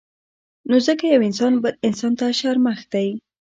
نو ځکه يو انسان بل انسان ته شرمښ دی